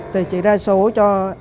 thì sẽ ra số cho